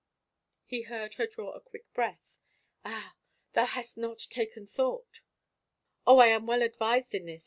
He heard her draw a quick breath. " Ah, thou hast not taken thought —"" Oh, I am well advised in this.